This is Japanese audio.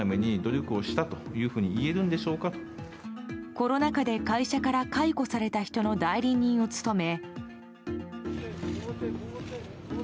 コロナ禍で会社から解雇された人の代理人を務め。